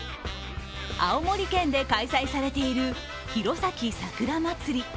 青森県で開催されている弘前さくらまつり。